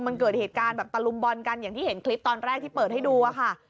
มันเกิดเหตุการณ์แบบตะลุมบอลกันอย่างที่เห็นคลิปตอนแรกที่เปิดให้ดูอะค่ะ